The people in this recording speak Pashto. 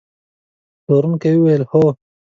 پلورونکي وویل: هو.